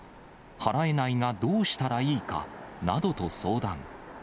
払えないが、どうしたらいいかなどと相談。